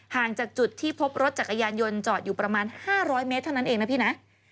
จากจุดที่พบรถจักรยานยนต์จอดอยู่ประมาณ๕๐๐เมตรเท่านั้นเองนะพี่นะ